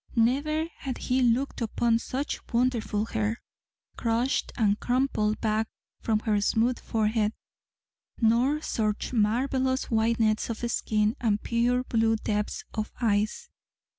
Never had he looked upon such wonderful hair, crushed and crumpled back from her smooth forehead; nor such marvellous whiteness of skin and pure blue depths of eyes!